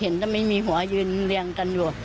เห็นแล้วไม่มีหัวยืนเรียงกันอยู่